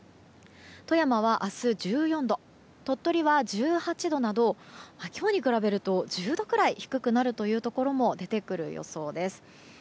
富山は明日１４度鳥取は１８度など今日に比べると１０度くらい低くなるところも出てくる予想です。